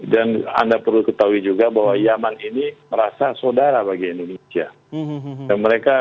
dan anda perlu ketahui juga bahwa yaman ini merasa sodara bagi indonesia